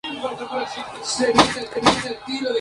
En la película, la narración es en primera persona.